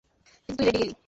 কিন্তু তুই রেগে গেলি।